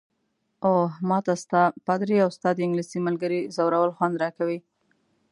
اوه، ما ته ستا، پادري او ستا د انګلیسۍ ملګرې ځورول خوند راکوي.